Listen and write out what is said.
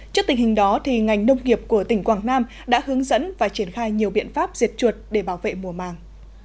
trước tình hình đó ngành nông nghiệp của tỉnh quảng nam đã hướng dẫn và triển khai nhiều biện pháp diệt chuột để bảo vệ mùa màng